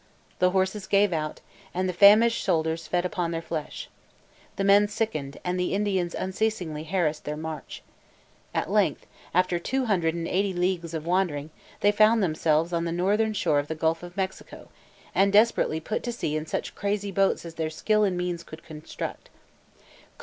The horses gave out, and the famished soldiers fed upon their flesh. The men sickened, and the Indians unceasingly harassed their march. At length, after two hundred and eighty leagues of wandering, they found themselves on the northern shore of the Gulf of Mexico, and desperately put to sea in such crazy boats as their skill and means could construct.